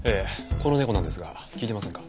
この猫なんですが聞いてませんか？